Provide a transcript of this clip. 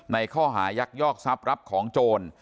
ในข้อหายักยอกทรัพย์รับของโจร